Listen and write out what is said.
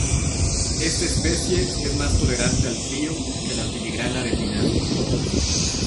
Esta especie es más tolerante al frío que la filigrana de pinar.